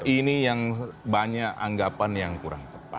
ini yang banyak anggapan yang kurang tepat